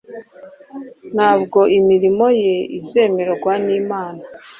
ntabwo imirimo ye izemerwa n’imana.